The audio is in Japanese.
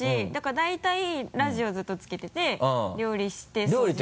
大体ラジオずっとつけてて料理して掃除して。